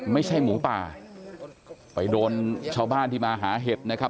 ไม่ใช่หมูป่าไปโดนชาวบ้านที่มาหาเห็ดนะครับ